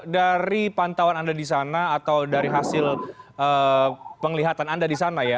dari penglihatan anda di sana ya